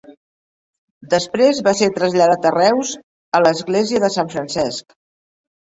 Després va ser traslladat a Reus, a l'església de Sant Francesc.